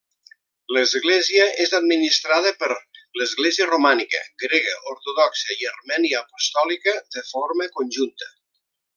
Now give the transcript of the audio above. L'església és administrada per l'església romànica, grega ortodoxa i armènia apostòlica de forma conjunta.